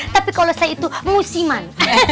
tapi kalau saya itu musiman